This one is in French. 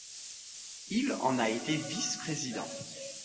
Il en a été vice-président.